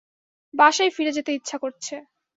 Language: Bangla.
বাসায় ফিরে যেতে ইচ্ছা করছে।